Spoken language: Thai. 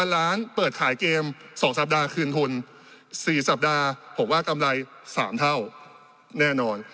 ล้านเปิดขายเกม๒สัปดาห์คืนทุน๔สัปดาห์ผมว่ากำไร๓เท่าแน่นอน